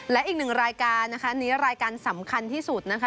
และอีกหนึ่งรายการนะคะนี้รายการสำคัญที่สุดนะคะ